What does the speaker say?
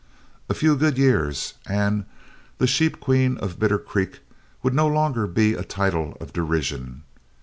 A few good years and the "Sheep Queen of Bitter Creek" would no longer be a title of derision.